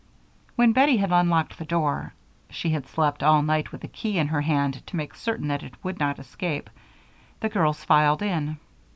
When Bettie had unlocked the door she had slept all night with the key in her hand to make certain that it would not escape the girls filed in.